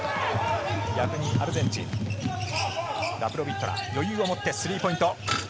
逆にアルゼンチン、ラプロビットラ、余裕を持ってスリーポイント。